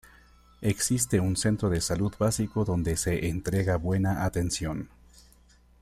Existe un Centro de Salud básico donde se entrega buena atención.